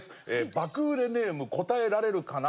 爆売れネーム答えられるかな？